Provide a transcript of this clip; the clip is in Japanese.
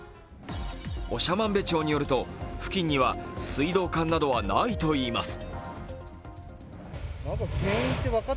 長万部駅によると付近には水道管はないといいます。